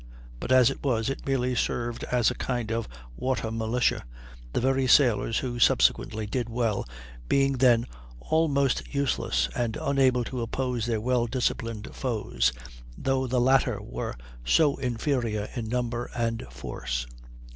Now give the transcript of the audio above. But as it was, it merely served as a kind of water militia, the very sailors, who subsequently did well, being then almost useless, and unable to oppose their well disciplined foes, though the latter were so inferior in number and force.